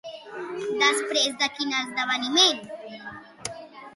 Després de quin esdeveniment?